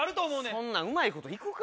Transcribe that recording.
そんなうまいこといくか。